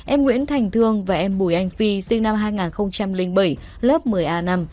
em nguyễn thành thương và em bùi anh phi sinh năm hai nghìn bảy lớp một mươi a năm